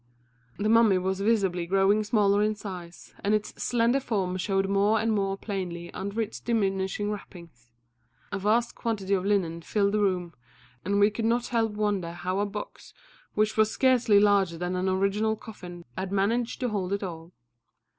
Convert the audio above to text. The mummy was visibly growing smaller in size, and its slender form showed more and more plainly under its diminishing wrappings. A vast quantity of linen filled the room, and we could not help wondering how a box which was scarcely larger than an ordinary coffin had managed to hold it all.